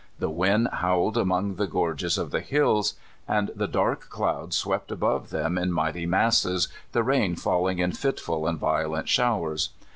The wind howled among the gorges of the hills, and the dark clouds swept above them in mighty masses, the rain falling in fitful and violent showers.